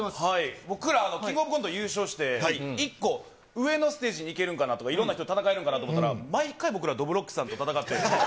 僕らキングオブコント優勝して、一個上のステージに行けるんかなとか、いろんな人と戦えるんかなと思ったら、毎回、僕ら、どぶろっくさんと戦って。